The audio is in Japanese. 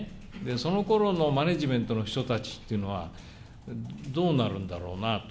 そのころのマネジメントの人たちというのは、どうなるんだろうなと。